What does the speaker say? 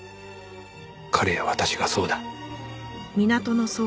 彼や私がそうだ。